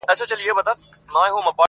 هغه چي توپیر د خور او ورور کوي ښه نه کوي,